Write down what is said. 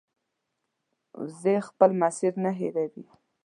وزې خپل مسیر نه هېروي